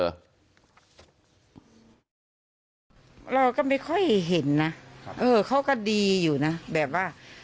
เราก็ไม่ค่อยเห็นนะเออเขาก็ดีอยู่นะแบบว่า